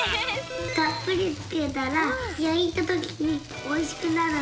たっぷりつけたらやいたときにおいしくなるんだよ！